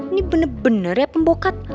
ini bener bener ya pembohongan